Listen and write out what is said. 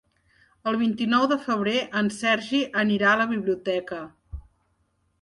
El vint-i-nou de febrer en Sergi anirà a la biblioteca.